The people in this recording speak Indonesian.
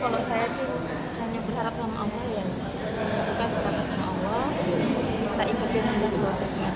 kalau saya sih hanya berharap sama allah ya untukkan setakat sama allah tak ikutin sidang prosesnya